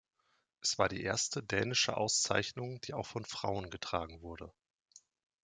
Es war die erste dänische Auszeichnung, die auch von Frauen getragen wurde.